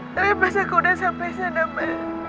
tapi pas aku udah sampai sana